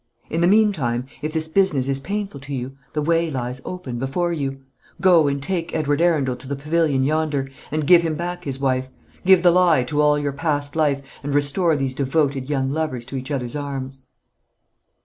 In the meantime, if this business is painful to you, the way lies open before you: go and take Edward Arundel to the pavilion yonder, and give him back his wife; give the lie to all your past life, and restore these devoted young lovers to each other's arms."